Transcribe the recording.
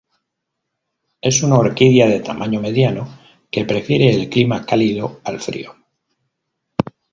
Es una orquídea de tamaño mediano, que prefiere el clima cálido al frío.